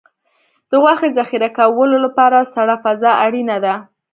د غوښې ذخیره کولو لپاره سړه فضا اړینه ده.